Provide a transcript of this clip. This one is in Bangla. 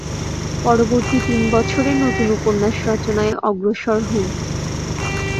পরবর্তী তিন বছরে নতুন উপন্যাস রচনায় অগ্রসর হন।